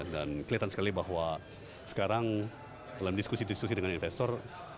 dan kelihatan sekali bahwa sekarang dalam diskusi diskusi dengan investor